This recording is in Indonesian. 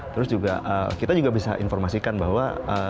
terus juga kita juga bisa informasikan bahwa